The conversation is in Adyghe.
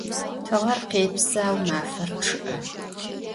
Tığer khêpsı, au mafer ççı'e.